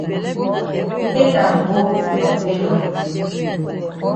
Take am go for tailor.